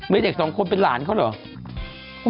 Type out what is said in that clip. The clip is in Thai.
มีเด็กสองคนเป็นหลานเขาเหรอ